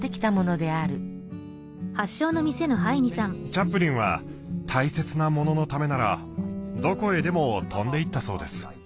チャップリンは大切なもののためならどこへでも飛んでいったそうです。